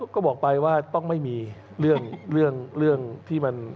ก็บอกไปว่าต้องไม่มีเรื่องที่มัน